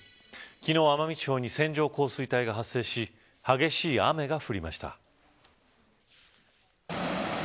昨日、奄美地方に線状降水帯が発生し激しい雨が降りました。